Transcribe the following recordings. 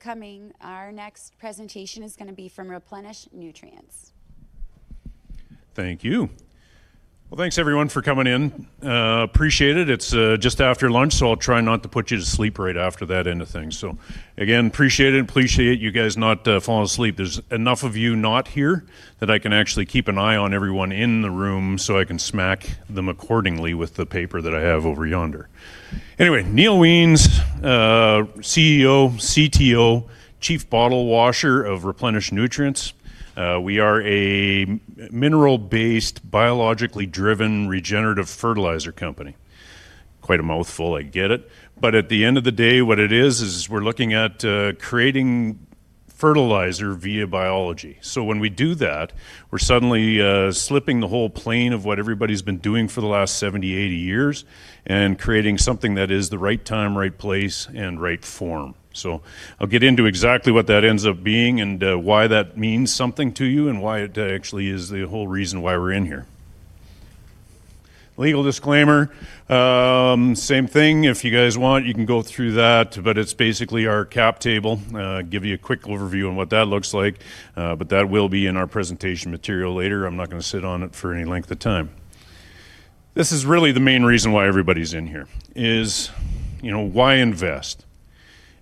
-for coming. Our next presentation is going to be from Replenish Nutrients. Thank you. Well, thanks everyone for coming in. Appreciate it. It's just after lunch, so I'll try not to put you to sleep right after that end of things. Again, appreciate it, and appreciate you guys not falling asleep. There's enough of you not here that I can actually keep an eye on everyone in the room, so I can smack them accordingly with the paper that I have over yonder. Anyway, Neil Wiens, CEO, CTO, chief bottle washer of Replenish Nutrients. We are a mineral-based, biologically driven regenerative fertilizer company. Quite a mouthful, I get it. At the end of the day, what it is we're looking at creating fertilizer via biology. When we do that, we're suddenly slipping the whole plane of what everybody's been doing for the last 70, 80 years and creating something that is the right time, right place, and right form. I'll get into exactly what that ends up being and why that means something to you and why it actually is the whole reason why we're in here. Legal disclaimer. Same thing. If you guys want, you can go through that, it's basically our cap table. Give you a quick overview on what that looks like. That will be in our presentation material later. I'm not going to sit on it for any length of time. This is really the main reason why everybody's in here is why invest?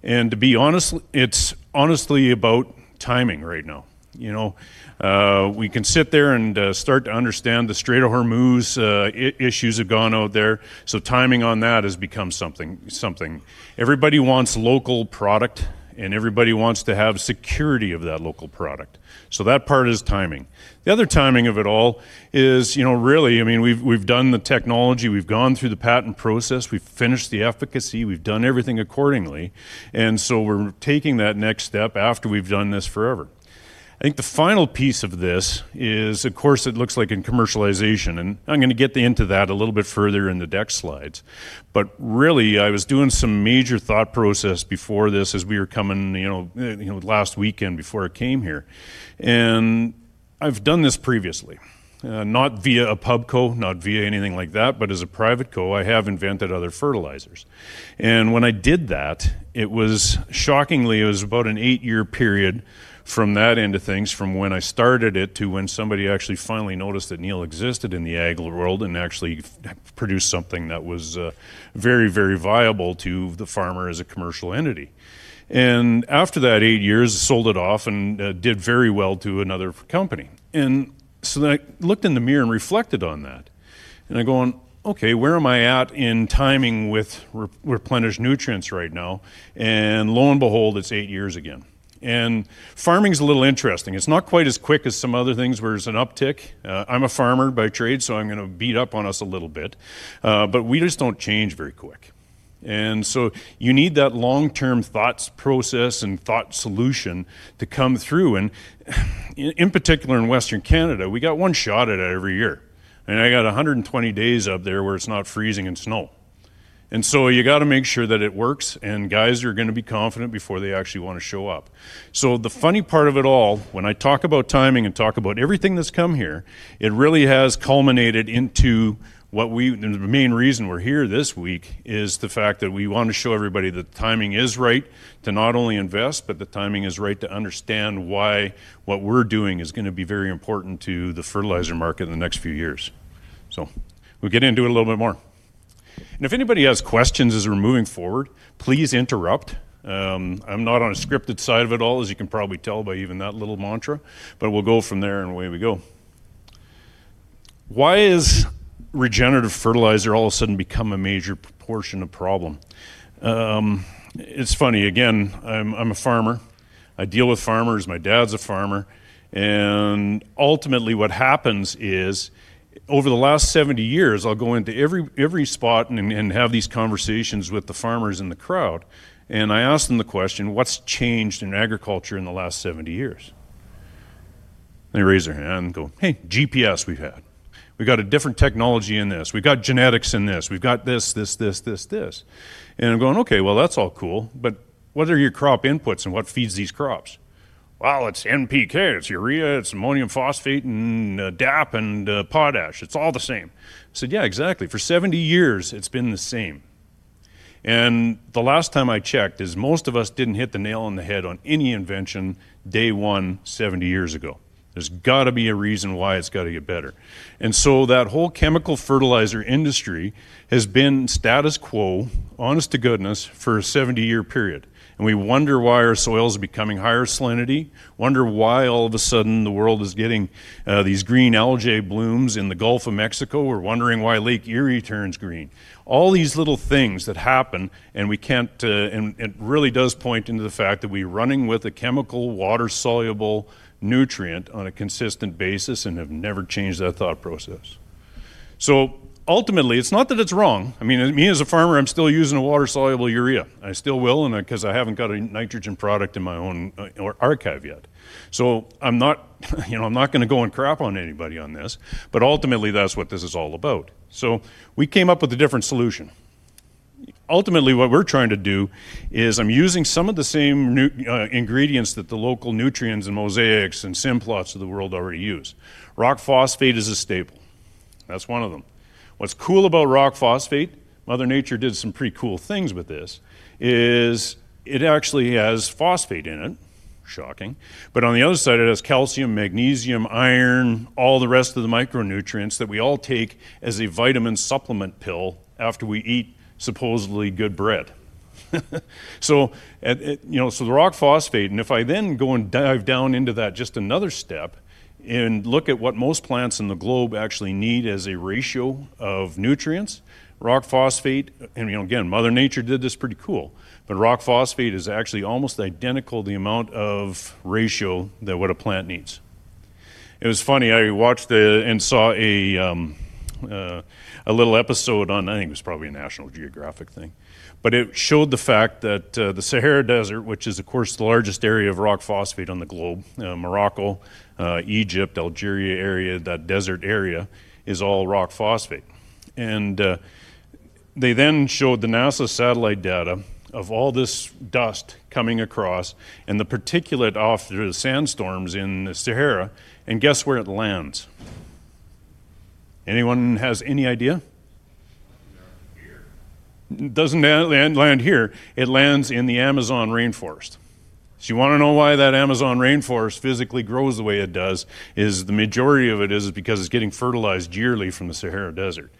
To be honest, it's honestly about timing right now. We can sit there and start to understand the Strait of Hormuz issues have gone out there, timing on that has become something. Everybody wants local product and everybody wants to have security of that local product. That part is timing. The other timing of it all is really, we've done the technology, we've gone through the patent process, we've finished the efficacy, we've done everything accordingly, we're taking that next step after we've done this forever. I think the final piece of this is, of course, it looks like in commercialization, I'm going to get into that a little bit further in the deck slides. Really, I was doing some major thought process before this as we were coming, last weekend before I came here. I've done this previously, not via a pub co, not via anything like that, but as a private co, I have invented other fertilizers. When I did that, shockingly it was about an eight-year period from that end of things, from when I started it to when somebody actually finally noticed that Neil existed in the ag world and actually produced something that was very viable to the farmer as a commercial entity. After that eight years, sold it off and it did very well to another company. I looked in the mirror and reflected on that, and I'm going, "Okay, where am I at in timing with Replenish Nutrients right now?" Lo and behold, it's eight years again. Farming's a little interesting. It's not quite as quick as some other things where there's an uptick. I'm a farmer by trade, I'm going to beat up on us a little bit. We just don't change very quick. You need that long-term thoughts process and thought solution to come through and, in particular in Western Canada, we got one shot at it every year. I got 120 days up there where it's not freezing and snow. You got to make sure that it works and guys are going to be confident before they actually want to show up. The funny part of it all, when I talk about timing and talk about everything that's come here, it really has culminated into what the main reason we're here this week is the fact that we want to show everybody that the timing is right to not only invest, but the timing is right to understand why what we're doing is going to be very important to the fertilizer market in the next few years. We'll get into it a little bit more. If anybody has questions as we're moving forward, please interrupt. I'm not on a scripted side of it all, as you can probably tell by even that little mantra, but we'll go from there and away we go. Why is regenerative fertilizer all of a sudden become a major proportion of problem? It's funny. Again, I'm a farmer. I deal with farmers. My dad's a farmer. Ultimately what happens is over the last 70 years, I'll go into every spot and have these conversations with the farmers in the crowd, and I ask them the question, "What's changed in agriculture in the last 70 years?" They raise their hand and go, "Hey, GPS we've had. We got a different technology in this. We've got genetics in this. We've got this." I'm going, "Okay, well, that's all cool, but what are your crop inputs and what feeds these crops?" "Well, it's NPK, it's urea, it's ammonium phosphate, and DAP and potash. It's all the same." I said, "Yeah, exactly. For 70 years, it's been the same." The last time I checked is most of us didn't hit the nail on the head on any invention day one 70 years ago. There's got to be a reason why it's got to get better. That whole chemical fertilizer industry has been status quo, honest to goodness, for a 70-year period. We wonder why our soil is becoming higher salinity, wonder why all of a sudden the world is getting these green algae blooms in the Gulf of Mexico. We're wondering why Lake Erie turns green. All these little things that happen, and it really does point into the fact that we're running with a chemical water-soluble nutrient on a consistent basis and have never changed that thought process. Ultimately, it's not that it's wrong. Me as a farmer, I'm still using a water-soluble urea, and I still will because I haven't got a nitrogen product in my own archive yet. I'm not going to go and crap on anybody on this, but ultimately, that's what this is all about. We came up with a different solution. Ultimately, what we're trying to do is I'm using some of the same ingredients that the Nutrien and Mosaic and Simplot of the world already use. Rock phosphate is a staple. That's one of them. What's cool about rock phosphate, Mother Nature did some pretty cool things with this, is it actually has phosphate in it. Shocking. On the other side, it has calcium, magnesium, iron, all the rest of the micronutrients that we all take as a vitamin supplement pill after we eat supposedly good bread. The rock phosphate, if I then go and dive down into that just another step and look at what most plants in the globe actually need as a ratio of nutrients, rock phosphate, again, Mother Nature did this pretty cool, rock phosphate is actually almost identical to the amount of ratio that what a plant needs. It was funny, I watched and saw a little episode on, I think it was probably a National Geographic thing, but it showed the fact that the Sahara Desert, which is, of course, the largest area of rock phosphate on the globe Morocco, Egypt, Algeria area, that desert area, is all rock phosphate. They then showed the NASA satellite data of all this dust coming across and the particulate off through the sandstorms in the Sahara, and guess where it lands. Anyone has any idea? Not here. It doesn't land here. It lands in the Amazon rainforest. You want to know why that Amazon rainforest physically grows the way it does, is the majority of it is because it's getting fertilized yearly from the Sahara Desert.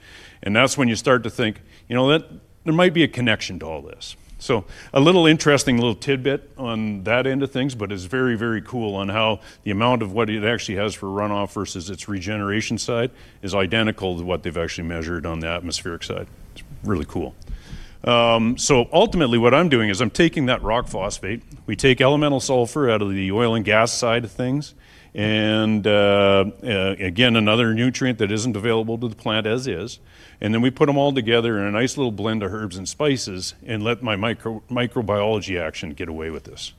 That's when you start to think, "You know what? There might be a connection to all this." A little interesting little tidbit on that end of things, but it's very cool on how the amount of what it actually has for runoff versus its regeneration side is identical to what they've actually measured on the atmospheric side. It's really cool. Ultimately what I'm doing is I'm taking that rock phosphate. We take elemental sulfur out of the oil and gas side of things, again, another nutrient that isn't available to the plant as is, then we put them all together in a nice little blend of herbs and spices and let my microbiology action get away with this.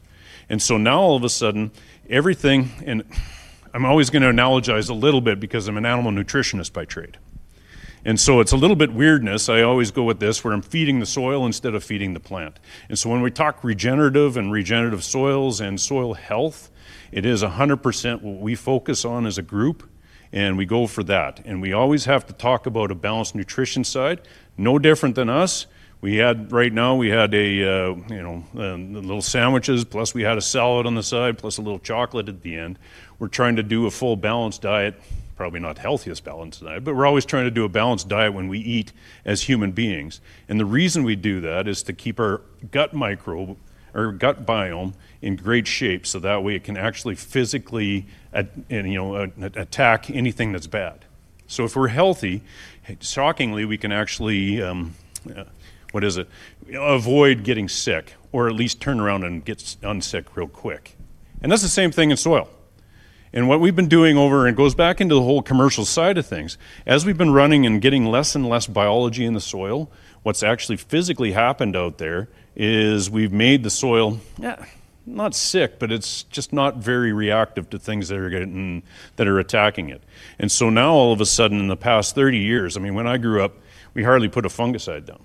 Now all of a sudden, everything I'm always going to analogize a little bit because I'm an animal nutritionist by trade. It's a little bit weirdness, I always go with this, where I'm feeding the soil instead of feeding the plant. When we talk regenerative and regenerative soils and soil health, it is 100% what we focus on as a group, we go for that. We always have to talk about a balanced nutrition side, no different than us. Right now, we had little sandwiches, plus we had a salad on the side, plus a little chocolate at the end. We're trying to do a full balanced diet, probably not the healthiest balanced diet, but we're always trying to do a balanced diet when we eat as human beings. The reason we do that is to keep our gut microbiome in great shape so that way it can actually physically attack anything that's bad. If we're healthy, shockingly, we can actually, what is it? Avoid getting sick or at least turn around and get unsick real quick. That's the same thing in soil. What we've been doing over, it goes back into the whole commercial side of things, as we've been running and getting less and less biology in the soil, what's actually physically happened out there is we've made the soil, eh, not sick, but it's just not very reactive to things that are attacking it. Now all of a sudden, in the past 30 years, when I grew up, we hardly put a fungicide down.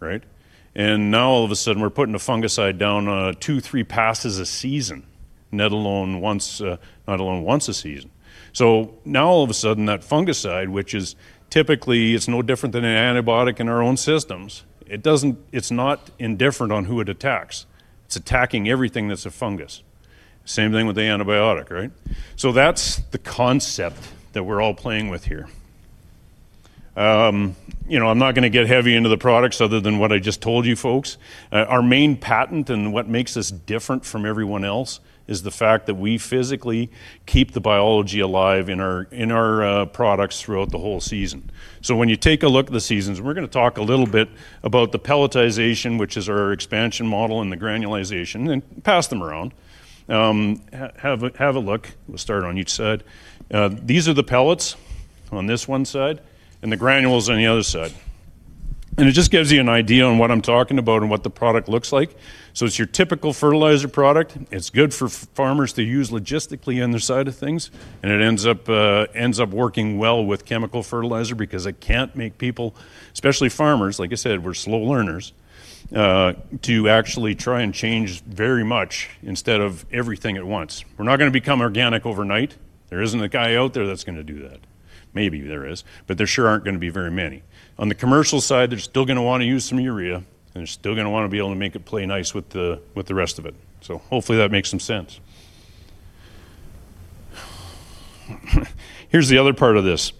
Right? Now all of a sudden, we're putting a fungicide down two, three passes a season, let alone once a season. Now all of a sudden, that fungicide, which is typically it's no different than an antibiotic in our own systems, it's not indifferent on who it attacks. It's attacking everything that's a fungus. Same thing with the antibiotic, right? That's the concept that we're all playing with here. I'm not going to get heavy into the products other than what I just told you folks. Our main patent and what makes us different from everyone else is the fact that we physically keep the biology alive in our products throughout the whole season. When you take a look at the seasons, we're going to talk a little bit about the pelletization, which is our expansion model, and the granulation, and pass them around. Have a look. We'll start on each side. These are the pellets on this one side and the granules on the other side. It just gives you an idea on what I'm talking about and what the product looks like. It's your typical fertilizer product. It's good for farmers to use logistically on their side of things, it ends up working well with chemical fertilizer because I can't make people, especially farmers, like I said, we're slow learners, to actually try and change very much instead of everything at once. We're not going to become organic overnight. There isn't a guy out there that's going to do that. Maybe there is, but there sure aren't going to be very many. On the commercial side, they're still going to want to use some urea, they're still going to want to be able to make it play nice with the rest of it. Hopefully that makes some sense. Here's the other part of this.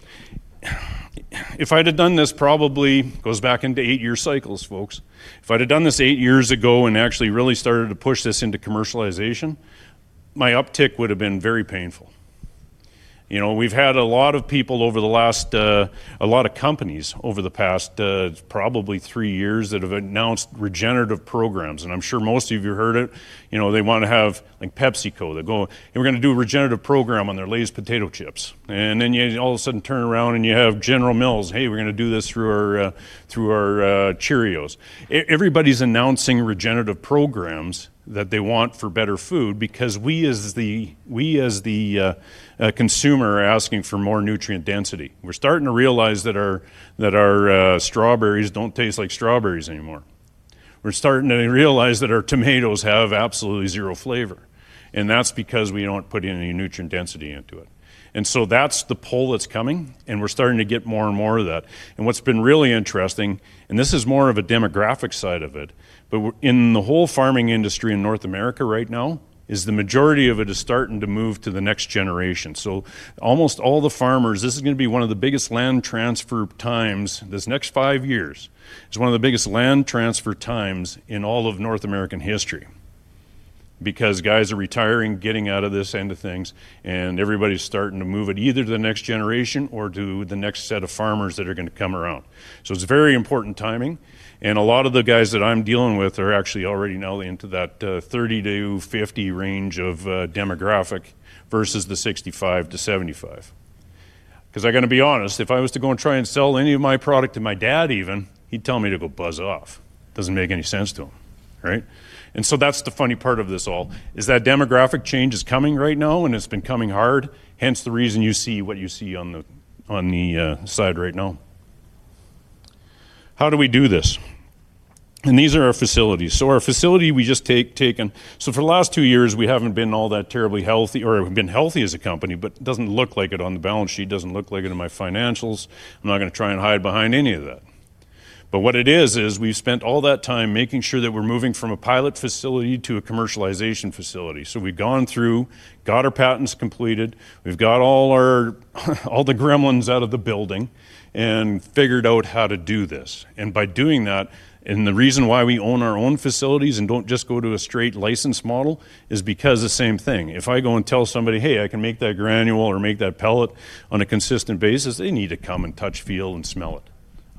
If I'd have done this probably, goes back into eight-year cycles, folks, if I'd have done this eight years ago and actually really started to push this into commercialization, my uptick would've been very painful. We've had a lot of companies over the past probably three years that have announced regenerative programs, and I'm sure most of you heard it. They want to have, like PepsiCo, they go, "We're going to do a regenerative program on their Lay's potato chips." You all of a sudden turn around and you have General Mills, "Hey, we're going to do this through our Cheerios." Everybody's announcing regenerative programs that they want for better food because we, as the consumer, are asking for more nutrient density. We're starting to realize that our strawberries don't taste like strawberries anymore. We're starting to realize that our tomatoes have absolutely zero flavor, and that's because we don't put any nutrient density into it. That's the pull that's coming, and we're starting to get more and more of that. What's been really interesting, and this is more of a demographic side of it, but in the whole farming industry in North America right now, is the majority of it is starting to move to the next generation. Almost all the farmers, this is going to be one of the biggest land transfer times, this next five years is one of the biggest land transfer times in all of North American history. Guys are retiring, getting out of this end of things, and everybody's starting to move it either to the next generation or to the next set of farmers that are going to come around. It's very important timing, and a lot of the guys that I'm dealing with are actually already now into that 30-50 range of demographic versus the 65-75. Because I've got to be honest, if I was to go and try and sell any of my product to my dad even, he'd tell me to go buzz off. Doesn't make any sense to him, right? That's the funny part of this all, is that demographic change is coming right now, and it's been coming hard, hence the reason you see what you see on the side right now. How do we do this? These are our facilities. For the last two years, we haven't been all that terribly healthy, or we've been healthy as a company, but it doesn't look like it on the balance sheet, doesn't look like it in my financials. I'm not going to try and hide behind any of that. What it is we've spent all that time making sure that we're moving from a pilot facility to a commercialization facility. We've gone through, got our patents completed, we've got all the gremlins out of the building and figured out how to do this. By doing that, and the reason why we own our own facilities and don't just go to a straight license model is because the same thing. If I go and tell somebody, "Hey, I can make that granule or make that pellet on a consistent basis," they need to come and touch, feel, and smell it.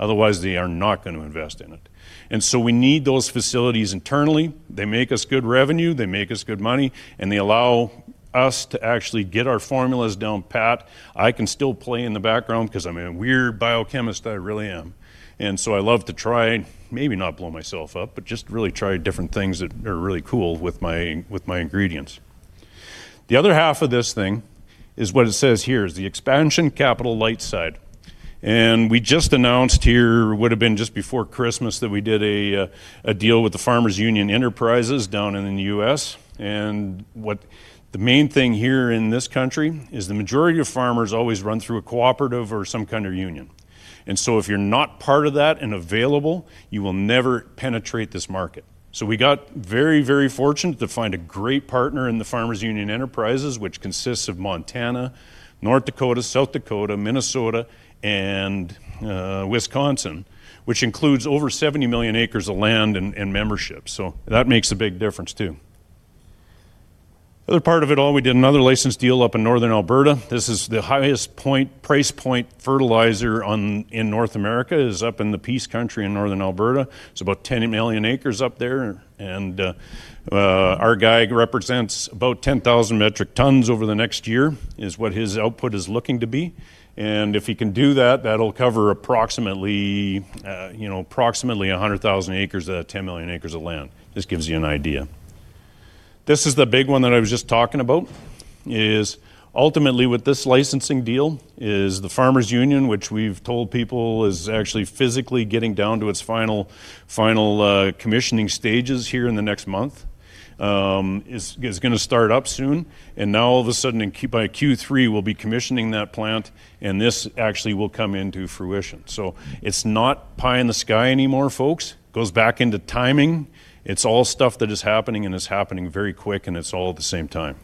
Otherwise, they are not going to invest in it. We need those facilities internally. They make us good revenue, they make us good money, and they allow us to actually get our formulas down pat. I can still play in the background because I'm a weird biochemist, I really am. I love to try, maybe not blow myself up, but just really try different things that are really cool with my ingredients. The other half of this thing is what it says here, is the expansion capital light side. We just announced here, would've been just before Christmas, that we did a deal with the Farmers Union Enterprises down in the U.S. The main thing here in this country is the majority of farmers always run through a cooperative or some kind of union. If you're not part of that and available, you will never penetrate this market. We got very, very fortunate to find a great partner in the Farmers Union Enterprises, which consists of Montana, North Dakota, South Dakota, Minnesota, and Wisconsin, which includes over 70 million acres of land and membership. That makes a big difference, too. Other part of it all, we did another license deal up in northern Alberta. This is the highest price point fertilizer in North America, is up in the Peace Country in northern Alberta. It's about 10 million acres up there. Our guy represents about 10,000 metric tons over the next year, is what his output is looking to be. If he can do that'll cover approximately 100,000 acres of that 10 million acres of land. Just gives you an idea. This is the big one that I was just talking about, is ultimately with this licensing deal is the Farmers Union, which we've told people is actually physically getting down to its final commissioning stages here in the next month. It's going to start up soon. Now all of a sudden by Q3, we'll be commissioning that plant, and this actually will come into fruition. It's not pie in the sky anymore, folks. Goes back into timing. It's all stuff that is happening and is happening very quick and it's all at the same time.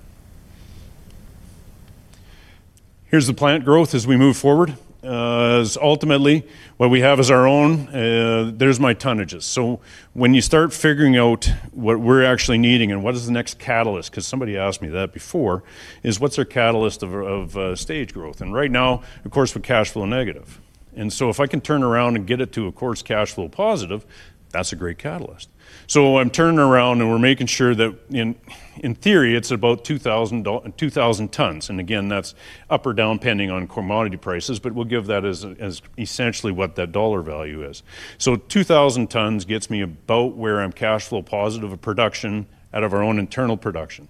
Here's the plant growth as we move forward. Ultimately, what we have is our own, there's my tonnages. When you start figuring out what we're actually needing and what is the next catalyst, because somebody asked me that before, is what's our catalyst of stage growth? Right now, of course, we're cash flow negative. If I can turn around and get it to, of course, cash flow positive, that's a great catalyst. I'm turning around and we're making sure that in theory, it's about 2,000 tons. Again, that's up or down pending on commodity prices, but we'll give that as essentially what that CAD value is. 2,000 tons gets me about where I'm cash flow positive of production out of our own internal production.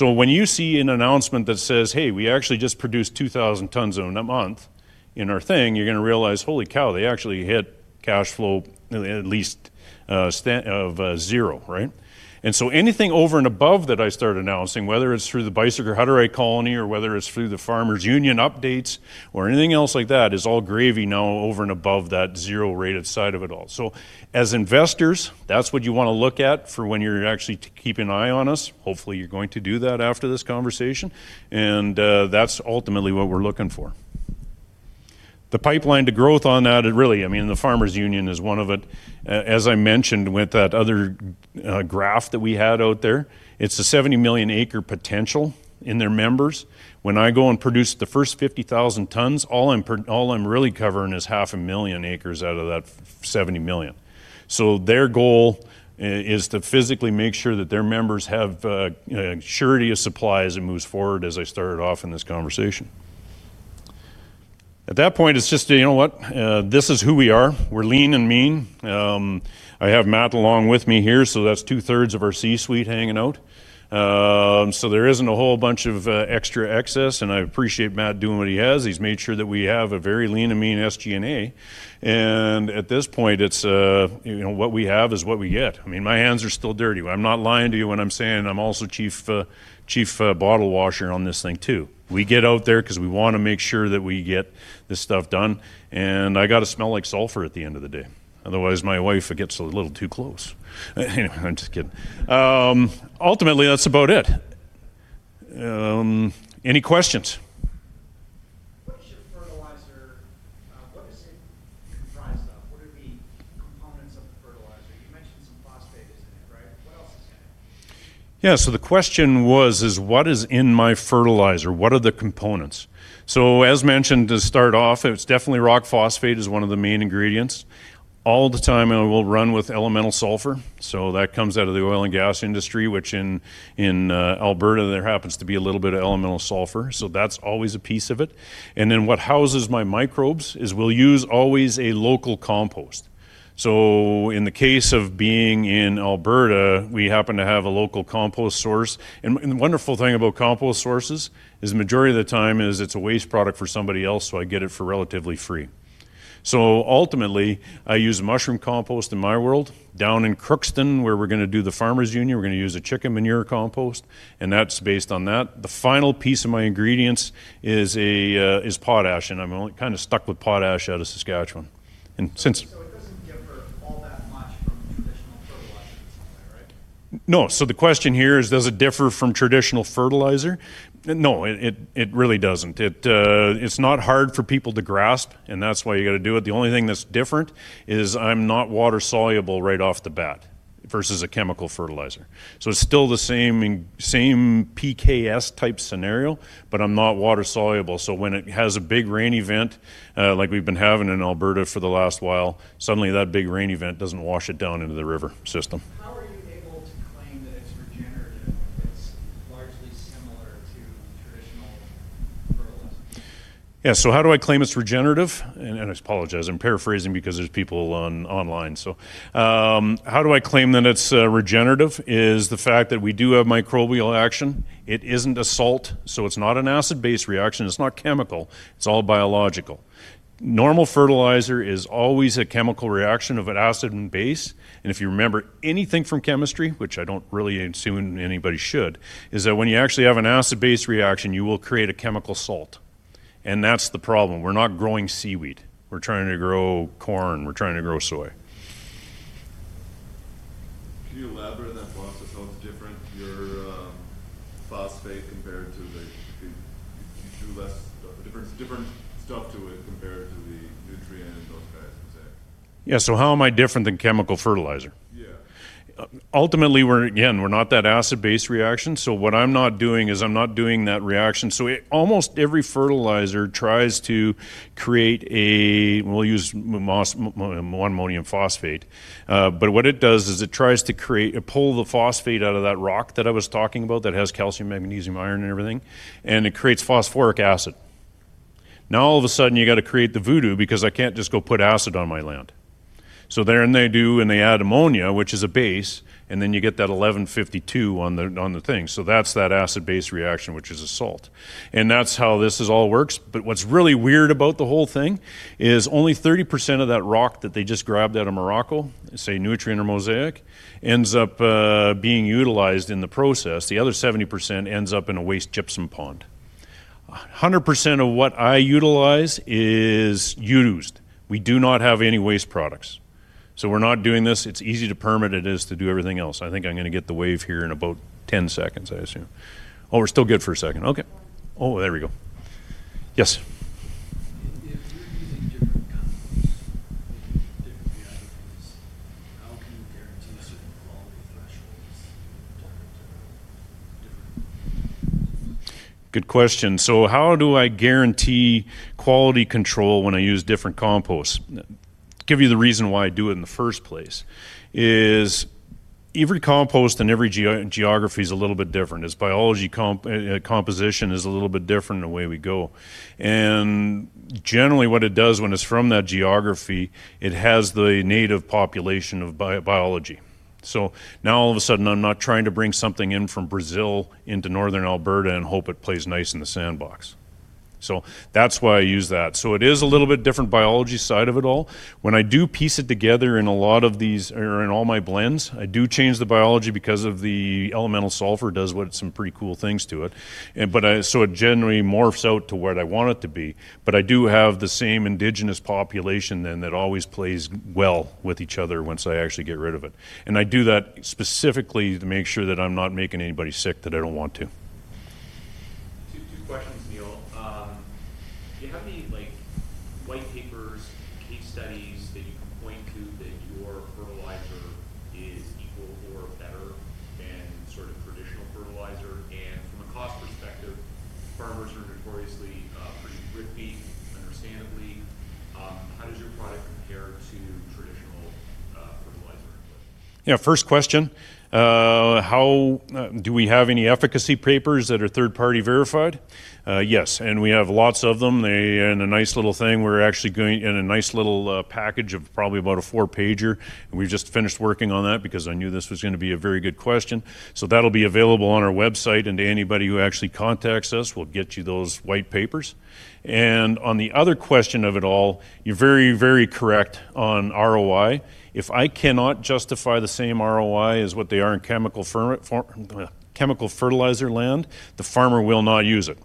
When you see an announcement that says, "Hey, we actually just produced 2,000 tons in a month in our thing," you're going to realize, "Holy cow, they actually hit cash flow at least of zero," right? Anything over and above that I start announcing, whether it's through the Beiseker Hutterite Colony, or whether it's through the Farmers Union updates or anything else like that, is all gravy now over and above that zero rate side of it all. As investors, that's what you want to look at for when you're actually keeping an eye on us. Hopefully, you're going to do that after this conversation. That's ultimately what we're looking for. The pipeline to growth on that, really, the Farmers Union is one of it. As I mentioned with that other graph that we had out there, it's the 70 million acre potential in their members. When I go and produce the first 50,000 tons, all I'm really covering is half a million acres out of that 70 million. Their goal is to physically make sure that their members have surety of supply as it moves forward, as I started off in this conversation. At that point, it's just, you know what? This is who we are. We're lean and mean. I have Matt along with me here, that's two-thirds of our C-suite hanging out. There isn't a whole bunch of extra excess, and I appreciate Matt doing what he has. He's made sure that we have a very lean and mean SG&A. At this point, it's what we have is what we get. My hands are still dirty. I'm not lying to you when I'm saying I'm also chief bottle washer on this thing, too. We get out there because we want to make sure that we get this stuff done, and I got to smell like sulfur at the end of the day. Otherwise, my wife gets a little too close. Anyway, I'm just kidding. Ultimately, that's about it. Any questions? What is it comprised of? What are the Yeah, the question was, what is in my fertilizer? What are the components? As mentioned, to start off, it's definitely rock phosphate is one of the main ingredients. All the time, I will run with elemental sulfur. That comes out of the oil and gas industry, which in Alberta, there happens to be a little bit of elemental sulfur. That's always a piece of it. What houses my microbes is we'll use always a local compost. In the case of being in Alberta, we happen to have a local compost source. The wonderful thing about compost sources is the majority of the time is it's a waste product for somebody else, so I get it for relatively free. Ultimately, I use mushroom compost in my world. Down in Crookston, where we're going to do the Farmers Union, we're going to use a chicken manure compost, that's based on that. The final piece of my ingredients is potash, I'm only kind of stuck with potash out of Saskatchewan. No. The question here is does it differ from traditional fertilizer? No, it really doesn't. It's not hard for people to grasp, that's why you got to do it. The only thing that's different is I'm not water-soluble right off the bat versus a chemical fertilizer. It's still the same PKS-type scenario, but I'm not water-soluble. When it has a big rain event, like we've been having in Alberta for the last while, suddenly that big rain event doesn't wash it down into the river system. that it's regenerative when it's largely similar to traditional fertilizers? Yeah. How do I claim it's regenerative? I apologize, I'm paraphrasing because there's people online. How do I claim that it's regenerative? Is the fact that we do have microbial action. It isn't a salt, so it's not an acid-based reaction. It's not chemical. It's all biological. Normal fertilizer is always a chemical reaction of an acid and base. If you remember anything from chemistry, which I don't really assume anybody should, is that when you actually have an acid-based reaction, you will create a chemical salt. That's the problem. We're not growing seaweed. We're trying to grow corn, we're trying to grow soy. Can you elaborate on that process? How it's different, your phosphate compared to Nutrien and those guys, per se. Yeah. How am I different than chemical fertilizer? Yeah. Ultimately, again, we're not that acid-based reaction. What I'm not doing is I'm not doing that reaction. Almost every fertilizer tries to create a, we'll use ammonium phosphate. What it does is it tries to pull the phosphate out of that rock that I was talking about that has calcium, magnesium, iron, and everything, and it creates phosphoric acid. All of a sudden, you got to create the voodoo because I can't just go put acid on my land. They do, and they add ammonia, which is a base, and you get that 11-52-zero on the thing. That's that acid-based reaction, which is a salt. That's how this all works. What's really weird about the whole thing is only 30% of that rock that they just grabbed out of Morocco, say Nutrien or The Mosaic Company, ends up being utilized in the process. The other 70% ends up in a waste gypsum pond. 100% of what I utilize is used. We do not have any waste products. We're not doing this, it's easy to permit it is to do everything else. I think I'm going to get the wave here in about 10 seconds, I assume. Oh, we're still good for a second. Okay. Oh, there we go. Yes. If you're using different composts, different geographies, how can you guarantee. Good question. How do I guarantee quality control when I use different composts? Give you the reason why I do it in the first place is every compost and every geography is a little bit different. Its biology composition is a little bit different the way we go. Generally, what it does when it's from that geography, it has the native population of biology. All of a sudden, I'm not trying to bring something in from Brazil into Northern Alberta and hope it plays nice in the sandbox. That's why I use that. It is a little bit different biology side of it all. When I do piece it together in all my blends, I do change the biology because of the elemental sulfur does some pretty cool things to it. It generally morphs out to what I want it to be. I do have the same indigenous population then that always plays well with each other once I actually get rid of it. I do that specifically to make sure that I'm not making anybody sick that I don't want to. fertilizer input Yeah, first question, do we have any efficacy papers that are third-party verified? Yes, we have lots of them. A nice little thing, we're actually going in a nice little package of probably about a four-pager, we've just finished working on that because I knew this was going to be a very good question. That'll be available on our website, and to anybody who actually contacts us, we'll get you those white papers. On the other question of it all, you're very correct on ROI. If I cannot justify the same ROI as what they are in chemical fertilizer land, the farmer will not use it.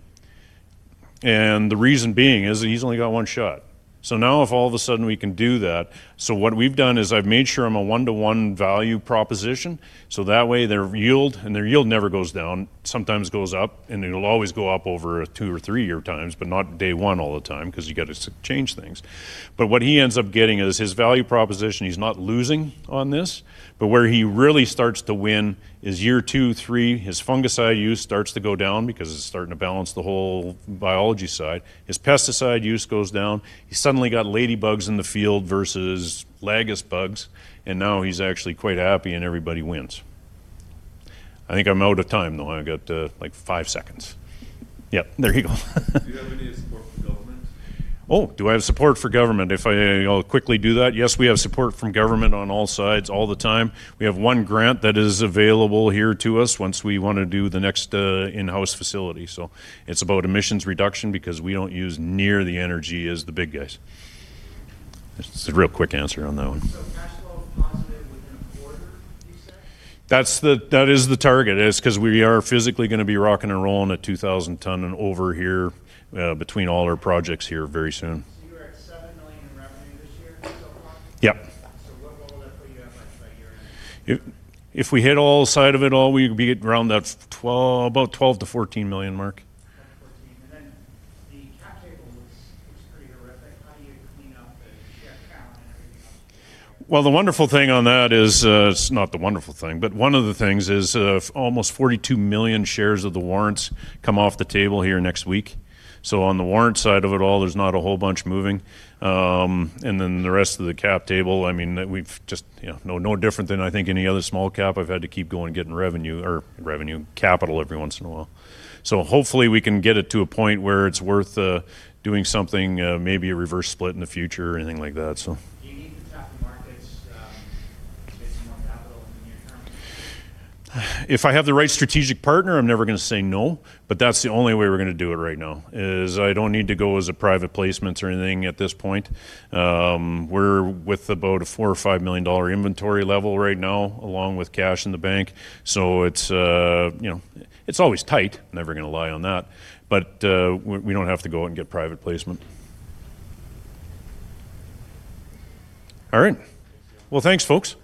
The reason being is that he's only got one shot. Now, if all of a sudden we can do that. What we've done is I've made sure I'm a one-to-one value proposition, so that way their yield, and their yield never goes down, sometimes goes up, and it'll always go up over two or three-year times, but not day one all the time because you got to change things. What he ends up getting is his value proposition, he's not losing on this. Where he really starts to win is year two, three. His fungicide use starts to go down because it's starting to balance the whole biology side. His pesticide use goes down. He's suddenly got ladybugs in the field versus lygus bugs, and now he's actually quite happy and everybody wins. I think I'm out of time, though. I've got five seconds. Yep, there you go. Do you have any support from government? Oh, do I have support for government? If I'll quickly do that, yes, we have support from government on all sides all the time. We have one grant that is available here to us once we want to do the next in-house facility. It's about emissions reduction because we don't use near the energy as the big guys. That's the real quick answer on that one. That is the target is because we are physically going to be rocking and rolling at 2,000 ton and over here between all our projects here very soon. Yep. If we hit all side of it all, we'd be at around that about 12 million-14 million mark. Then the cap table looks pretty horrific. How do you clean up the share count and everything else? Well, the wonderful thing on that is It's not the wonderful thing, but one of the things is almost 42 million shares of the warrants come off the table here next week. On the warrant side of it all, there's not a whole bunch moving. The rest of the cap table, No different than I think any other small cap. I've had to keep going, getting revenue or revenue capital every once in a while. Hopefully we can get it to a point where it's worth doing something, maybe a reverse split in the future or anything like that. Do you need to tap the markets to raise more capital in the near term? If I have the right strategic partner, I'm never going to say no, but that's the only way we're going to do it right now is I don't need to go as a private placement or anything at this point. We're with about a 4 million or 5 million dollar inventory level right now, along with cash in the bank. It's always tight, never going to lie on that, but we don't have to go and get private placement. All right. Well, thanks, folks